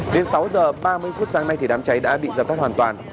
đến sáu h ba mươi phút sáng nay thì đám cháy đã bị giập tắt hoàn toàn